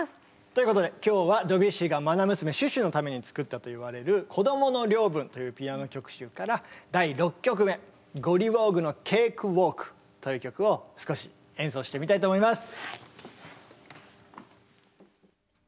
ということで今日はドビュッシーが愛娘シュシュのために作ったといわれる「こどもの領分」というピアノ曲集から第６曲目「ゴリウォーグのケークウォーク」という曲を少し演奏してみたいと思います。